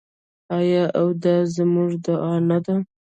آیا او دا زموږ دعا نه ده؟